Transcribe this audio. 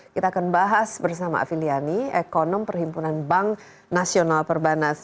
kita akan bahas bersama afiliani ekonom perhimpunan bank nasional perbanas